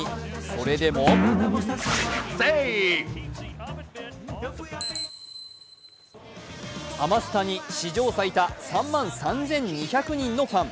それでもハマスタに史上最多３万３２００人のファン。